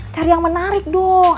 cari yang menarik dong